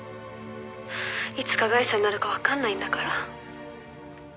「いつ加害者になるかわかんないんだから」